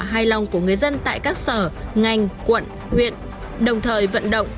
hài lòng của người dân tại các sở ngành quận huyện đồng thời vận động